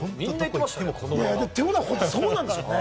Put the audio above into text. ということは本当そうなんでしょうね。